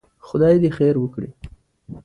خدای دې خير وکړي.